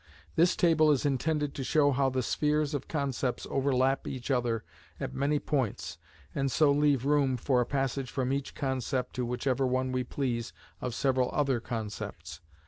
This table is intended to show how the spheres of concepts overlap each other at many points, and so leave room for a passage from each concept to whichever one we please of several other concepts.